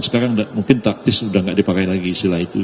sekarang mungkin taktis sudah tidak dipakai lagi istilah itu